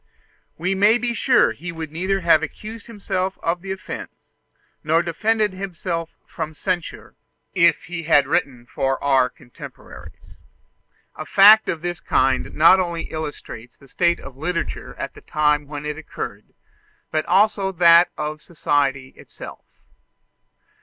We may be sure that he would neither have accused himself of the offence, nor defended himself from censure, if he had written for our contemporaries. A fact of this kind not only illustrates the state of literature at the time when it occurred, but also that of society itself.